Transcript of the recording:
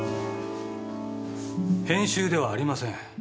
編集ではありません。